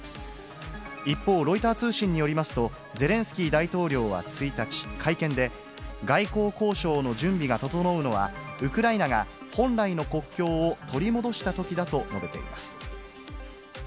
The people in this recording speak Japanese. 一方、ロイター通信によりますと、ゼレンスキー大統領は１日、会見で、外交交渉の準備が整うのは、ウクライナが本来の国境を取り戻したときだと述べています。